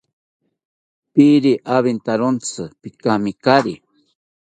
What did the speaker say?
Piiri awintawontzi, pikamikari